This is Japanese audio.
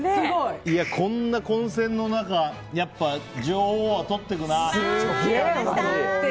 こんな混戦の中やっぱ、女王はとっていくな。